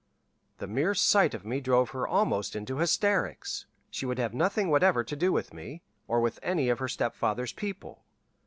The mere sight of me drove her almost into hysterics. She would have nothing whatever to do with me, or with any of her stepfather's people.